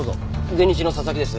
全日の佐々木です。